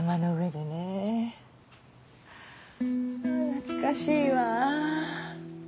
懐かしいわ。